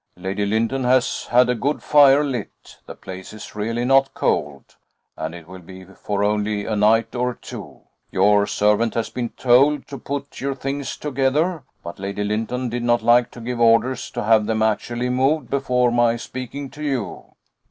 Lady Lynton has had a good fire lit; the place is really not cold, and it will be for only a night or two. Your servant has been told to put your things together, but Lady Lynton did not like to give orders to have them actually moved before my speaking to you."